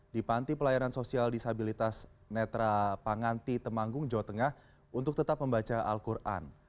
di panti pelayanan sosial disabilitas netra panganti temanggung jawa tengah untuk tetap membaca al quran